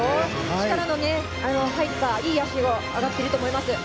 力の入ったいい脚が上がっていると思います。